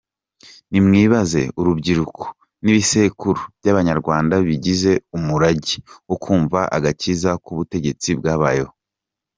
Nimwibaze urubyiruko n’ibisekuru by’Abanyarwanda bigize umurage wo kumva agakiza ku butegetsi bwabayeho.